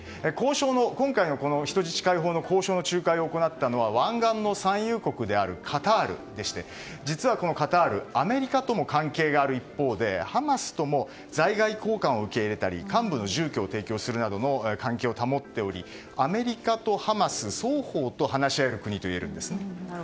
今回の人質の交渉を行ったのは湾岸の産油国であるカタールで実はカタールはアメリカとも関係がある一方でハマスとも在外公館を受け入れたり幹部の住居を提供するなどの関係を保っておりアメリカとハマス双方と話し合える国といえるんです。